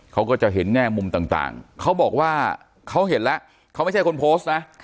เขาก็จะเห็นแง่มุมต่างเขาบอกว่าเขาเห็นแล้วเขาไม่ใช่คนโพสต์นะ